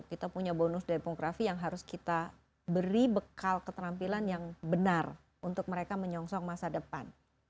kita punya bonus demografi yang harus kita beri bekal keterampilan yang benar untuk mereka menyongsong masa depan